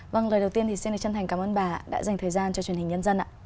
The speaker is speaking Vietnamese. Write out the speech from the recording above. vâng lời đầu tiên thì xin chân thành cảm ơn bà đã dành thời gian cho truyền hình nhân dân ạ